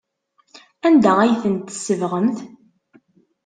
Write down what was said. Anda ay tent-tsebɣemt?